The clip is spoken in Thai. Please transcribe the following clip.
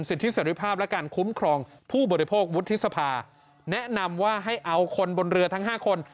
สิทธิเสร็จภาพและการคุ้มครองผู้บริโภควุฒิสภาแนะนำว่าให้เอาคนบนเรือทั้ง๕คน